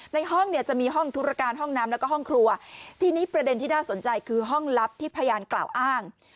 ในห้องเนี่ยจะมีห้องธุรการห้องน้ำแล้วก็ห้องครัวทีนี้ประเด็นที่น่าสนใจคือห้องลับที่พยานกล่าวอ้าง